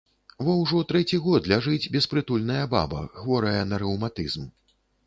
Во ўжо трэці год ляжыць беспрытульная баба, хворая на рэўматызм.